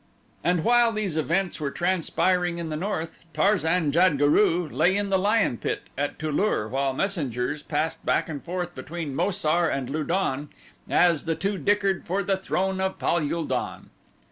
And while these events were transpiring in the north, Tarzan jad guru lay in the lion pit at Tu lur while messengers passed back and forth between Mo sar and Lu don as the two dickered for the throne of Pal ul don.